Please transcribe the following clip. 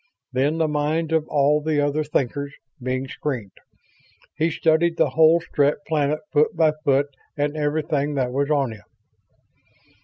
Then, the minds of all the other Thinkers being screened, he studied the whole Strett planet, foot by foot, and everything that was on it.